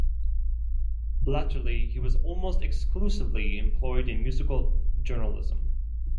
Latterly he was almost exclusively employed in musical journalism.